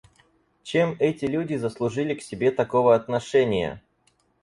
Чем эти люди заслужили к себе такого отношения?